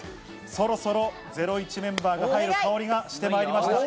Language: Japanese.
そろそろゼロイチメンバーが入る香りがしてきました。